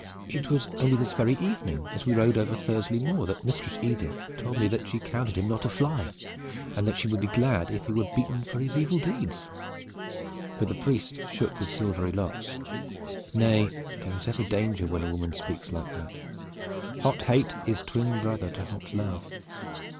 "It was only this very evening as we rode over Thursley Moor that Mistress Edith told me that she counted him not a fly, and that she would be glad if he were beaten for his evil deeds." But the wise priest shook his silvery locks. "Nay, there is ever danger when a woman speaks like that. Hot hate is twin brother to hot love.